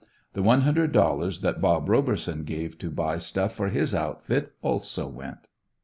The one hundred dollars that "Bob" Roberson gave to buy stuff for his outfit, also went.